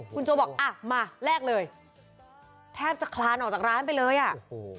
คุณโจบอกอ่ะมาแลกเลยแทบจะคลานออกจากร้านไปเลยอ่ะโอ้โห